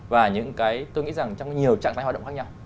và những cái tôi nghĩ rằng trong nhiều trạng thái hoạt động khác nhau